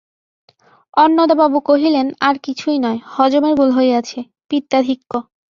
অন্নদাবাবু কহিলেন, আর কিছুই নয়, হজমের গোল হইয়াছে–পিত্তাধিক্য।